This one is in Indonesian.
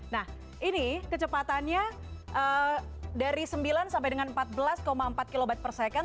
nah ini kecepatannya dari sembilan sampai dengan empat belas empat kb per second